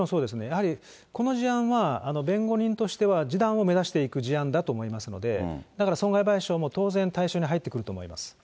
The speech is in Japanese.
やはりこの事案は、弁護人としては、示談を目指していく事案だと思いますので、だから損害賠償も当然対象に入ってくると思います。